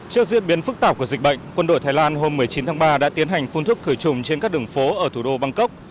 trước diễn biến phức tạp của dịch bệnh quân đội thái lan hôm một mươi chín tháng ba đã tiến hành phun thức khởi trùng trên các đường phố ở thủ đô bangkok